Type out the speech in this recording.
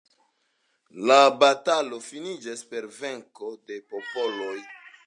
La batalo finiĝis per venko de poloj.